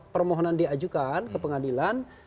permohonan diajukan ke pengadilan